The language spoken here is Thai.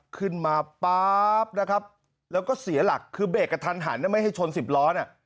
ขึ้นมาปะแล้วก็เสียหลักคือเบรกกับทันหันไม่ให้ชนสิบล้อน